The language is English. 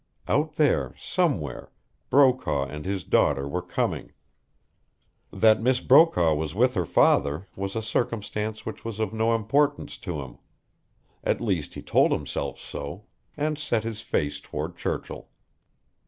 Out there, somewhere, Brokaw and his daughter were coming. That Miss Brokaw was with her father was a circumstance which was of no importance to him. At least he told himself so, and set his face toward Churchill.